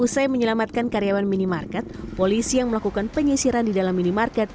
usai menyelamatkan karyawan minimarket polisi yang melakukan penyisiran di dalam minimarket